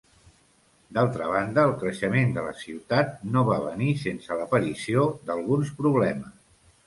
D'altra banda, el creixement de la ciutat, no va venir sense l'aparició d'alguns problemes.